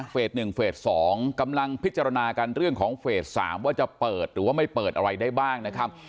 ๑เฟส๒กำลังพิจารณากันเรื่องของเฟส๓ว่าจะเปิดหรือว่าไม่เปิดอะไรได้บ้างนะครับ